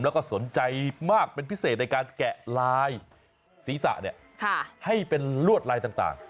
แล้วก็สนใจมากเป็นพิเศษในการแกะลายศีรษะให้เป็นลวดลายต่าง